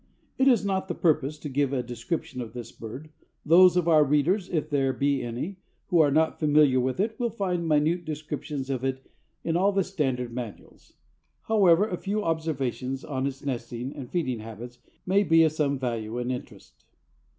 It is not the purpose to give a description of this bird; those of our readers—if there be any—who are not familiar with it will find minute descriptions of it in all the standard manuals. However, a few observations on its nesting and feeding habits may be of some value and interest.